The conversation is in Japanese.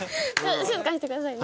静かにしてくださいね。